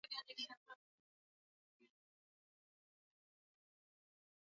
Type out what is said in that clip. sehemu ya Kaskazini Magharibi na Magharibi ya wilaya ya Mvomero ya sasa aliyetawala mwaka